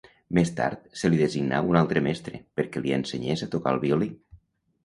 Més tard, se li designà un altre mestre perquè li ensenyés a tocar el violí.